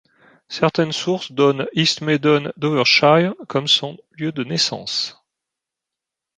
Certaines sources donnent East Maddon-Doveshire comme son lieu de naissance.